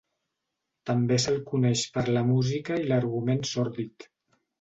També se'l coneix per la música i l'argument sòrdid.